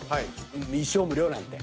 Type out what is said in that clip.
一生無料なんて。